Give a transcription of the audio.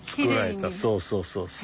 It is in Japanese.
そうそうそうそう。